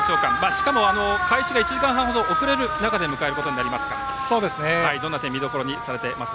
しかも開始が１時間半ほど遅れる中で迎えることになりますがどんな点を見どころにされていますか。